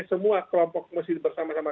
semua kelompok mesti bersama sama